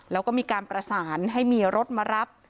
แล้วก็มีการประสานให้มีรถมารับ